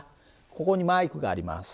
ここにマイクがあります。